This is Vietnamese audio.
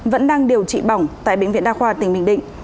vẫn đang điều trị bỏng tại bệnh viện đa khoa tp hcm